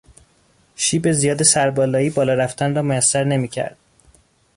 شیب زیاد سربالایی، بالا رفتن را میسر نمیکرد.